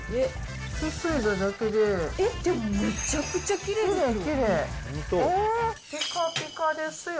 めちゃくちゃきれいですよ。